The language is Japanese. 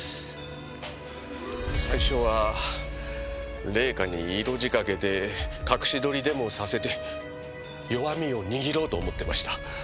最初は礼香に色仕掛けで隠し撮りでもさせて弱みを握ろうと思ってました。